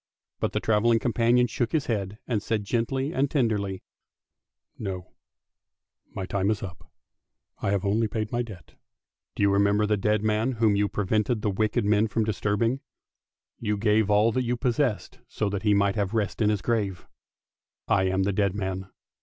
But the travelling companion shook his head, and said gently and tenderly, "No; my time is up. I have only paid my debt. Do you remember the dead man whom you prevented the wicked men from dis turbing. You gave all that you possessed so that he might have rest in his grave. I am the dead man!